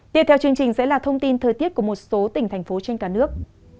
tiếp theo chương trình sẽ là thông tin thời tiết của một số tỉnh thành phố trên cả nước